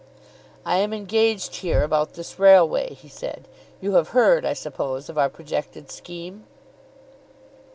"I am engaged here about this railway," he said. "You have heard, I suppose, of our projected scheme?"